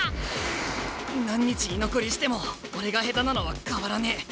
何日居残りしても俺が下手なのは変わらねえ。